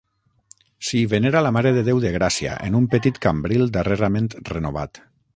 S'hi venera la Mare de Déu de Gràcia, en un petit cambril darrerament renovat.